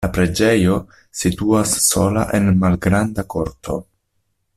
La preĝejo situas sola en malgranda korto.